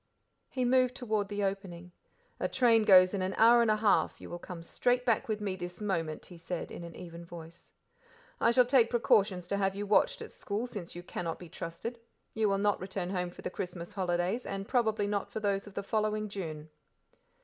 He moved toward the opening. "A train goes in an hour and a half, you will come straight back with me this moment," he said, in an even voice. "I shall take precautions to have you watched at school since you cannot be trusted. You will not return home for the Christmas holidays, and probably not for those of the following June."